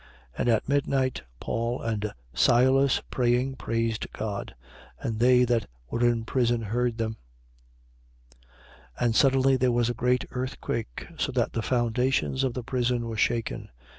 16:25. And at midnight, Paul and Silas, praying, praised God. And they that were in prison heard them. 16:26. And suddenly there was a great earthquake, so that the foundations of the prison were shaken.